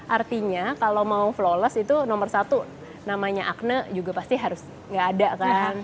artinya kalau mau lolos itu nomor satu namanya akne juga pasti harus nggak ada kan